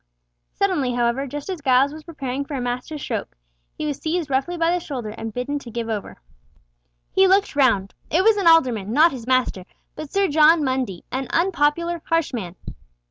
Suddenly, however, just as Giles was preparing for a master stroke, he was seized roughly by the shoulder and bidden to give over. He looked round. It was an alderman, not his master, but Sir John Mundy, an unpopular, harsh man.